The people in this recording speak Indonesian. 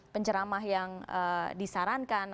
penceramah yang disarankan